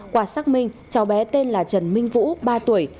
qua xác minh cháu bé tên là trần minh vũ ba tuổi